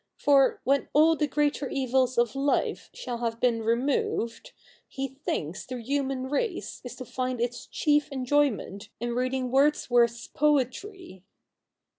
For, when all the greater evils of life shall have been removed, he thinks the human race is to find its chief enjoyment in reading Wordsworth's poetry.'